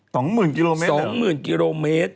๒หมื่นกิโลเมตร